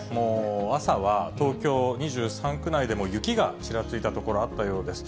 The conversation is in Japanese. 朝は、東京２３区内でも、雪がちらついた所あったようです。